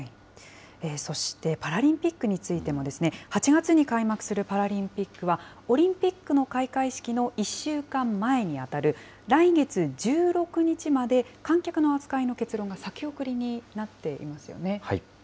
そしてパラリンピックについても、８月に開幕するパラリンピックは、オリンピックの開会式の１週間前に当たる来月１６日まで、観客の扱いの結論が先送りになっていますよね。